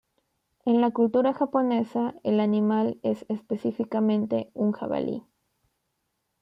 En la cultura japonesa, el animal es específicamente un jabalí.